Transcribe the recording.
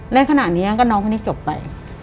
และขณะนี้ก็น้องเขานี่จบไป